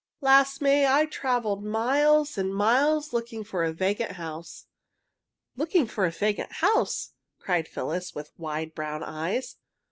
"Last May I travelled miles and miles looking for a vacant house." "Looking for a vacant house?" cried Phyllis, with wide brown eyes.